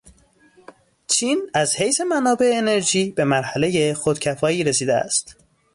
چین از حیث منابع انرژی به مرحلهٔ خود کفایتی رسیده است.